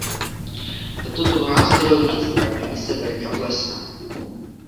Tato druhá zdrojnice pramení severně od Lesné.